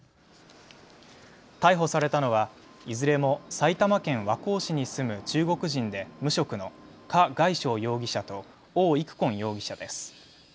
逮捕されたのは、いずれも埼玉県和光市に住む中国人で無職の何凱捷容疑者と王育坤容疑者です。